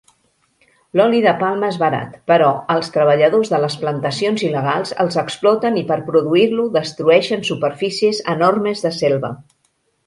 L'oli de palma és barat, però als treballadors de les plantacions il·legals els exploten i per produir-lo destrueixen superfícies enormes de selva.